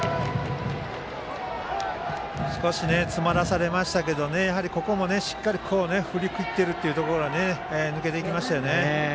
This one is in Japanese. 少し詰まらされましたけどここもしっかり振りきっているというところで抜けていきましたよね。